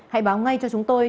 hãy báo ngay cho chúng tôi